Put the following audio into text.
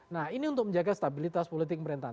nah ini untuk menjaga stabilitas politik pemerintahan